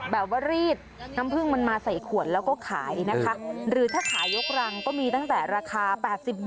รีดน้ำพึ่งมันมาใส่ขวดแล้วก็ขายนะคะหรือถ้าขายกรังก็มีตั้งแต่ราคา๘๐บาท